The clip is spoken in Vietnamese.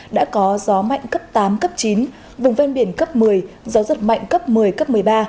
đã có gió mạnh cấp tám cấp chín vùng ven biển cấp một mươi gió giật mạnh cấp một mươi cấp một mươi ba